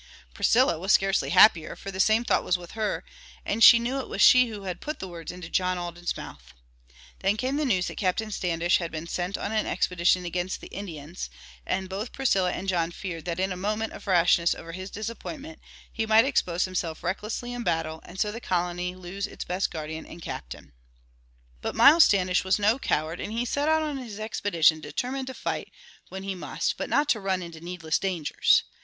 Priscilla was scarcely happier, for the same thought was with her, and she knew it was she who had put the words into John Alden's mouth. Then came news that Captain Standish had been sent on an expedition against the Indians, and both Priscilla and John feared that in a moment of rashness over his disappointment he might expose himself recklessly in battle, and so the colony lose its best guardian and captain. [Illustration: JOHN ALDEN AND PRISCILLA By Boughton] But Miles Standish was no coward and he set out on his expedition determined to fight when he must but not to run into needless dangers.